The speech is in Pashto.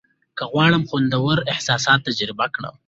که غواړم خوندور احساسات تجربه کړم.